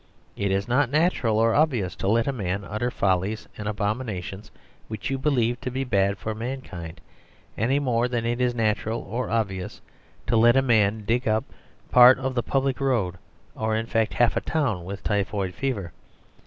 It is not natural or obvious to let a man utter follies and abominations which you believe to be bad for mankind any more than it is natural or obvious to let a man dig up a part of the public road, or infect half a town with typhoid fever.